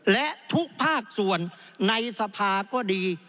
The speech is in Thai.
และทุกภาคส่วนในสภาก็ดี